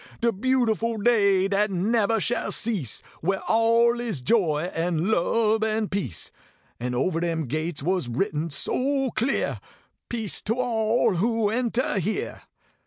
De beautiful day dat nebber shall cease, Where all is joy, an lub, an peace. And ovah dem gates was written so clear : Peace to all who entah here."